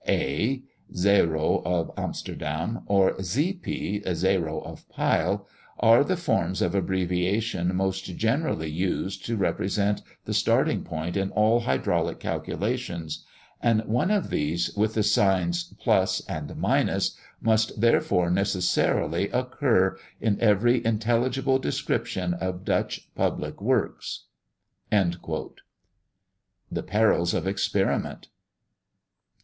A. (Zero of Amsterdam), or Z. P. (Zero of Pile), are the forms of abbreviation most generally used to represent the starting point in all hydraulic calculations; and one of these, with the signs + and , must therefore necessarily occur in every intelligible description of Dutch public works." THE PERILS OF EXPERIMENT.